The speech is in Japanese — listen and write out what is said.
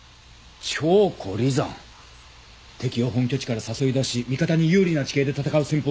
「調虎離山」敵を本拠地から誘い出し味方に有利な地形で戦う戦法じゃねえか。